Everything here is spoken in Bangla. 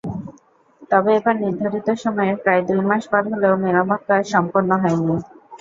তবে এবার নির্ধারিত সময়ের প্রায় দুই মাস পার হলেও মেরামতকাজ সম্পন্ন হয়নি।